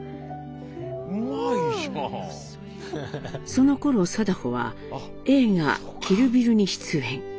そのころ禎穗は映画「キル・ビル」に出演。